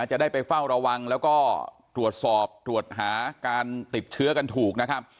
จะได้ไปเฝ้าระวังแล้วก็ตรวจสอบตรวจหาการติดเชื้อกันถูกนะครับ